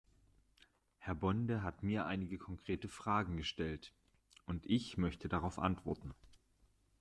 Herr Bonde hat mir einige konkrete Fragen gestellt, und ich möchte darauf antworten.